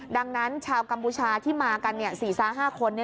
ดังนั้นชาวกัมพูชาที่มากัน๔๕คน